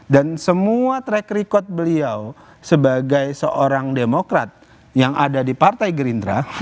dan semua track record beliau sebagai seorang demokrat yang ada di partai gerindra